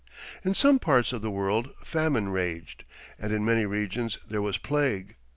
In some parts of the world famine raged, and in many regions there was plague....